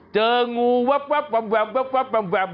เจองูแวบแวบแวบแวบแวบแวบแวบ